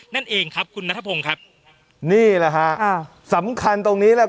นั่นเองครับคุณนัทพงศ์ครับนี่แหละฮะอ่าสำคัญตรงนี้แหละ